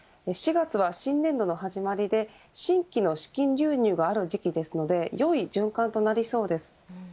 ４月は新年度の始まりで新規の資金流入がある時期ですので良い循環となりそうです。